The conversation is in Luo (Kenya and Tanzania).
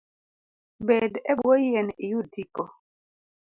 Bed e bwo yien iyud tipo